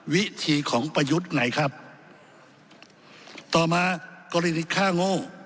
วิธีของประยุทธ์ไหนครับต่อมากรณีค่าโง่